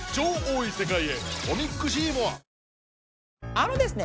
あのですね